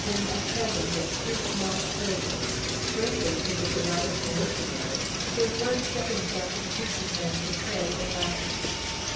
An Indian made Le Jeune a present of two small children, greatly to the delight of the missionary, who at once set himself to teaching them to pray in Latin.